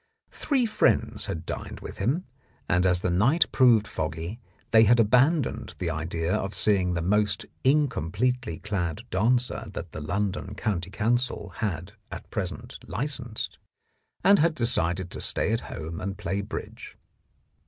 Three friends had dined with him, and as the night proved foggy, they had abandoned the idea of seeing the most incompletely clad dancer that the London County Council had at present licensed, and had decided to stay at home and play bridge.